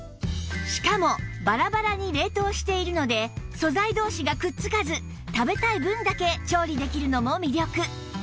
しかもバラバラに冷凍しているので素材同士がくっつかず食べたい分だけ調理できるのも魅力